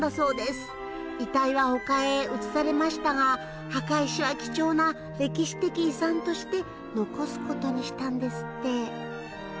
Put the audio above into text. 遺体は他へ移されましたが墓石は貴重な歴史的遺産として残す事にしたんですって。